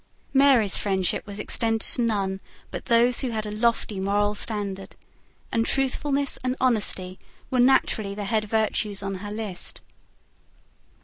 Mary's friendship was extended to none but those who had a lofty moral standard; and truthfulness and honesty were naturally the head virtues on her list.